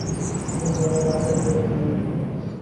লোকজনের গাল-গল্পের এখানেই ইতি হল।